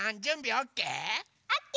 オッケー！